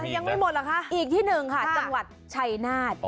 ยังไม่หมดเหรอคะอีกที่หนึ่งค่ะจังหวัดชัยนาธ